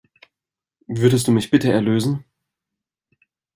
Würdest du mich bitte erlösen?